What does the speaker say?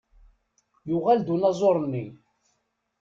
Yuɣal-d unaẓuṛ-nni.